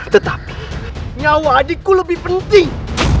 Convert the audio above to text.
tetapi nyawa adikku lebih penting